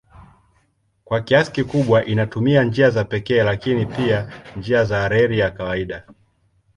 Kwa kiasi kikubwa inatumia njia za pekee lakini pia njia za reli ya kawaida.